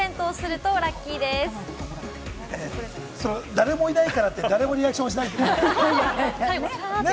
誰もいないからって、誰もリアクションしないというのもね。